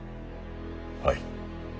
はい。